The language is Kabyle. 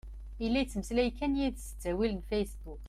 Yella yettmeslay kan d yid-s s ttawil n fasebbuk.